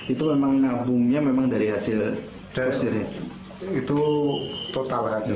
itu memang nabungnya dari hasilnya